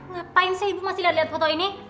ngapain sih ibu masih gak liat foto ini